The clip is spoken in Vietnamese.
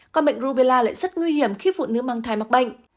con bệnh rubella lại rất nguy hiểm khi phụ nữ mang thai mắc bệnh